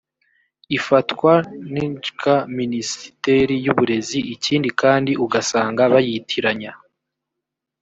ifatwa njka minisiteri y’uburezi ikindi kandi ugasanga bayitiranya.